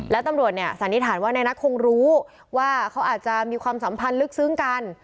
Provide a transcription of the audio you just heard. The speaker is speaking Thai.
แล้วตำรวจเนี่ยสันนิษฐานว่านายนัทคงรู้ว่าเขาอาจจะมีความสัมพันธ์ลึกซึ้งกัน